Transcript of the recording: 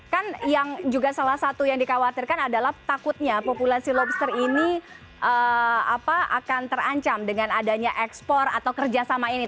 kan yang juga salah satu yang dikhawatirkan adalah takutnya populasi lobster ini akan terancam dengan adanya ekspor atau kerjasama ini